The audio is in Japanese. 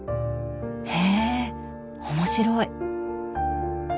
へえ面白い！